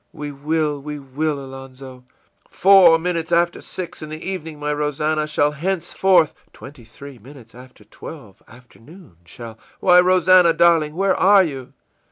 î ìWe will, we will, Alonzo!î ìFour minutes after six, in the evening, my Rosannah, shall henceforth î ìTwenty three minutes after twelve, afternoon shall î ìWhy; Rosannah, darling, where are you?